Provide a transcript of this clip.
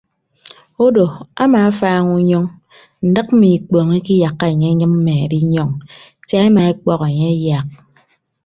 Odo amaafaaña unyọñ ndịk mme ikpọọñ ikiyakka enye enyịmme edinyọñ sia ema ekpọk enye eyaak.